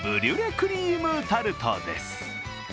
クリームタルトです。